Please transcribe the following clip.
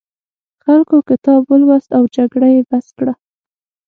خلکو کتاب ولوست او جګړه یې بس کړه.